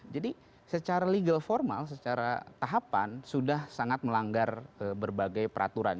jadi secara legal formal secara tahapan sudah sangat melanggar berbagai peraturan